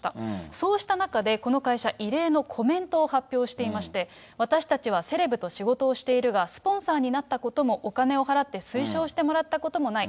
そうした中でこの会社、異例のコメントを発表していまして、私たちはセレブと仕事をしているが、スポンサーになったことも、お金を払って推奨してもらったこともない。